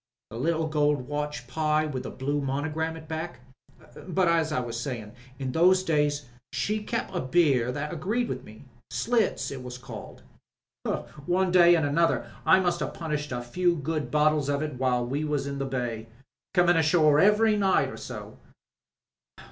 The little gold watch, Pye, with the blue monogram at the back. But, as I was sayin', in those days she kep' a beer that agreed with me — Slits it was called. One way an' another I must 'ave punished a good few bottles of it while we was in the bay — comin' ashore every night or so.